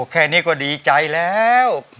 แค่นี้ก็ดีใจแล้ว